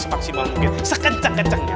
semaksimal mungkin sekencang kencangnya